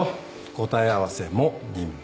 答え合わせも任務。